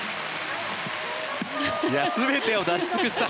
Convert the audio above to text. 全てを出し尽くした。